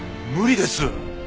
無理です！